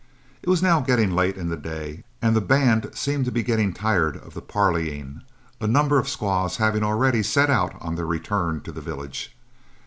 It was now getting late in the day and the band seemed to be getting tired of the parleying, a number of squaws having already set out on their return to the village.